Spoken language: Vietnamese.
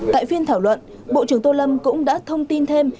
tại phiên thảo luận bộ trưởng tô lâm cũng đã thông tin thêm